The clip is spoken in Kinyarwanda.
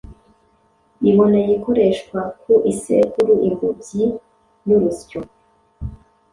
iboneye ikoreshwa ku isekuru, ingobyi n’urusyo.